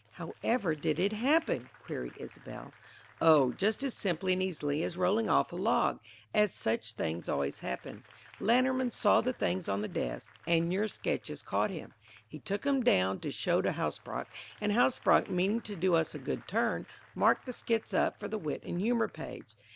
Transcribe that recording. "How ever did it happen?" queried Isobel. "Oh, just as simply and easily as rolling off a log as such things always happen. Lantermann saw the things on the desk, and your sketches caught him. He took 'em down to show to Hasbrouck, and Hasbrouck, meaning to do us a good turn, marked the skits up for the 'Wit and Humor' page.